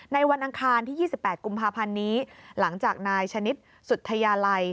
วันอังคารที่๒๘กุมภาพันธ์นี้หลังจากนายชนิดสุธยาลัย